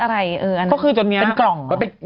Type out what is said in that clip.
อะไรอันนั้นเป็นกล่องหรือเปล่า